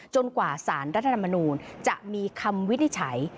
กว่าสารรัฐธรรมนูลจะมีคำวินิจฉัย